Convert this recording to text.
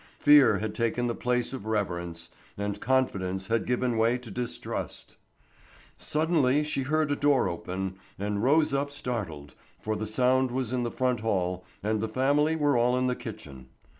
Fear had taken the place of reverence, and confidence had given way to distrust. Suddenly she heard a door open, and rose up startled, for the sound was in the front hall and the family were all in the kitchen.